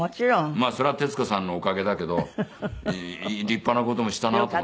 まあそれは徹子さんのおかげだけど立派な事もしたなと。